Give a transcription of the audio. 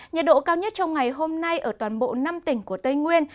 nhiệt độ cao nhất trong ngày hôm nay ở toàn bộ năm tỉnh của tây nguyên